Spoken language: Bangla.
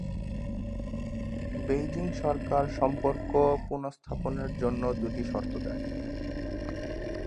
বেইজিং সরকার সম্পর্ক পুনঃস্থাপনের জন্য দুটি শর্ত দেন।